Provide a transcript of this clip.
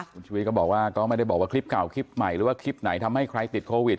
คุณชุวิตก็บอกว่าก็ไม่ได้บอกว่าคลิปเก่าคลิปใหม่หรือว่าคลิปไหนทำให้ใครติดโควิด